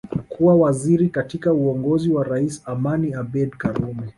Kuwa waziri katika uongozi wa Rais Amani Abedi Karume